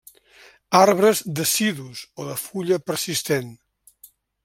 Arbres decidus o de fulla persistent.